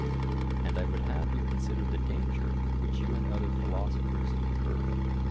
And I would have you consider the danger which you and other philosophers incur.